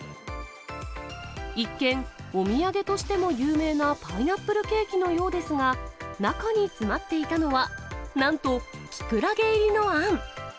一見、お土産としても有名なパイナップルケーキのようですが、中に詰まっていたのは、なんと、キクラゲ入りのあん。